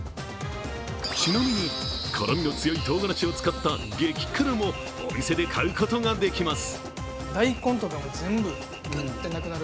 ちなみに、辛味の強いとうがらしを使った激辛もお店で買うことができます。